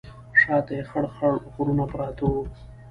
شا ته یې خړ خړ غرونه پراته وو.